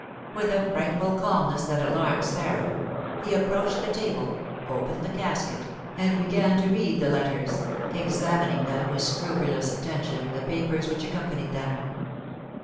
With a frightful calmness that alarmed Sarah, he approached the table, opened the casket, and began to read the letters, examining with scrupulous attention the papers which accompanied them.